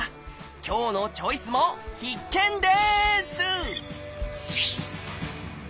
今日の「チョイス」も必見です！